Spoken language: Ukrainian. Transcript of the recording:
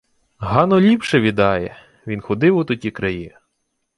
— Гано ліпше відає. Він ходив у тоті краї.